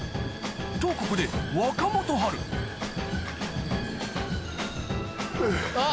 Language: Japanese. とここで若元春あ！